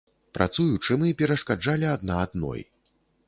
Працуючы, мы перашкаджалі адна адной.